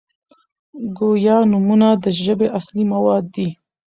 ګویا نومونه د ژبي اصلي مواد دي.